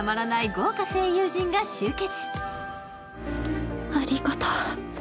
豪華声優陣が集結。